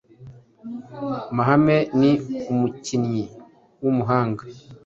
Mahame ni umukinnyi w’umuhanga.